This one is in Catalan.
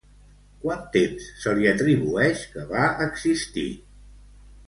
Quant temps se li atribueix que va existir?